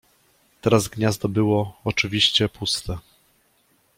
Teraz gniazdo było, oczywiście, puste.